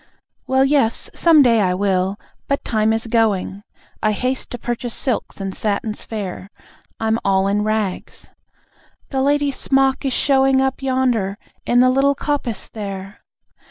Well, yes. Some day I will; but time is going. I haste to purchase silks and satins fair. I'm all in rags. (The Lady's Smock is showing Up yonder, in the little coppice there.)